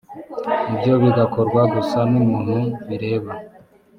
ibyo bigakorwa gusa n’umuntu bireba